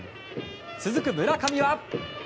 続く村上は。